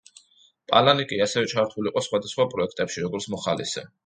პალანიკი ასევე ჩართული იყო სხვადასხვა პროექტებში, როგორც მოხალისე.